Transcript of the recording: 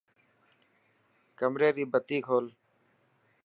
ڪمري ري بتي کول.